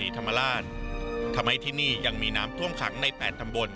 ทำให้ที่นี่ยังมีน้ำท่วมขังในแปดตำบล